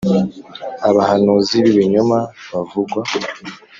Abahanuzi b ibinyoma bavugwa